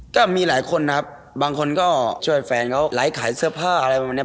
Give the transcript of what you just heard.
ก็มีหลายคนนะครับบางคนก็ช่วยแฟนเขาไลฟ์ขายเสื้อผ้าอะไรประมาณเนี้ย